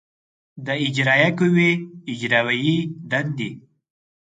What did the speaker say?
د اجرایه قوې اجرایوې دندې